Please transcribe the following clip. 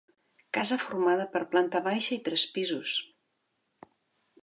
Casa formada per planta baixa i tres pisos.